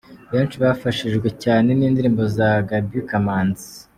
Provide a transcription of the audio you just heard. Benshi bafashijwe cyane n'indirimbo za Gaby Kamanzi.